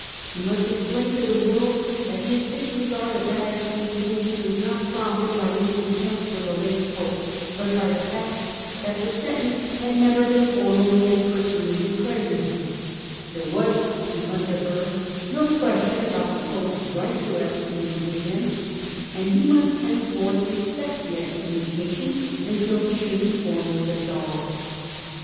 He must explain to the world that his disregard of that excommunication was not prompted by any contempt for the late Pope, but by the fact that the sentence had never been formally and personally declared to him : there was, he must aver, no question about the Pope's right to excom municate him ; and he must henceforth respect the excommunication until he should be formally absolved.